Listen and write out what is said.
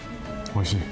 おいしい。